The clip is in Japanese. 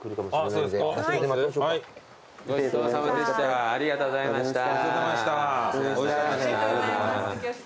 ありがとうございます。